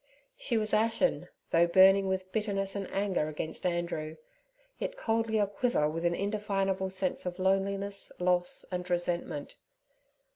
She was ashen, though burning with bitterness and anger against Andrew, yet coldly a quiver with an indefinable sense of loneliness, loss, and resentment.